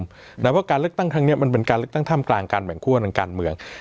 เพราะการเล็กตั้งทางนี้มันเป็นการเล็กตั้งท่ามกลางการแบ่งขั้วและการเมือง